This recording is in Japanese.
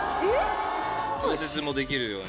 調節もできるように。